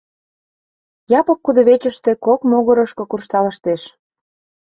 Япык кудывечыште кок могырышко куржталыштеш.